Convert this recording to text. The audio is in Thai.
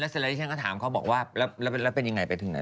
เสร็จแล้วที่ฉันก็ถามเขาบอกว่าแล้วเป็นยังไงไปถึงไหน